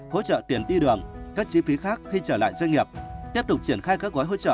hỗ trợ tiền đi đường các chi phí khác khi trở lại doanh nghiệp